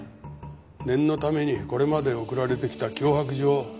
念のためにこれまで送られてきた脅迫状を見せてもらえますか。